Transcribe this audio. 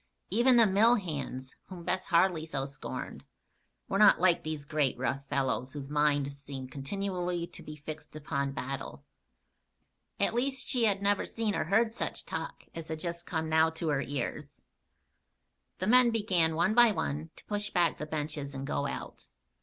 Even the mill hands, whom Bess Harley so scorned, were not like these great, rough fellows whose minds seemed continually to be fixed upon battle. At least, she had never seen or heard such talk as had just now come to her ears. The men began, one by one, to push back the benches and go out.